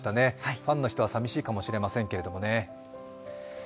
ファンの人は寂しいかもしれませんけどね。